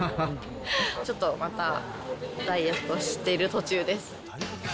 ちょっとまたダイエットしてる途中です。